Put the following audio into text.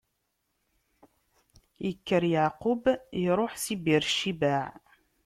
Ikker Yeɛqub iṛuḥ si Bir Cibaɛ.